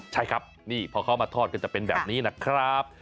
ใช่ครับนี่พอเขามาทอดก็จะเป็นแบบนี้นะครับ